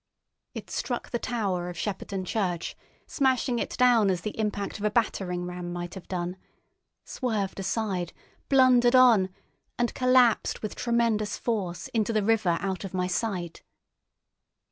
It struck the tower of Shepperton Church, smashing it down as the impact of a battering ram might have done, swerved aside, blundered on and collapsed with tremendous force into the river out of my sight.